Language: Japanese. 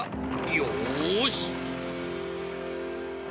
よし！